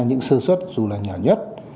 những sơ xuất dù là nhỏ nhất